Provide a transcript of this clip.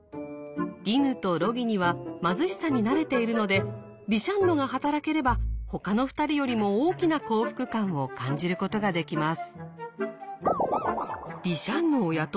ディヌとロギニは貧しさに慣れているのでビシャンノが働ければほかの２人よりも大きな幸福感を感じることができます。